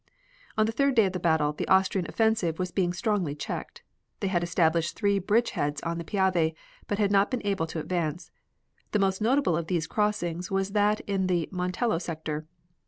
On the third day of the battle the Austrian offensive was being strongly checked. They had established three bridgeheads on the Piave, but had not been able to advance. The most notable of these crossings was that in the Montello sector.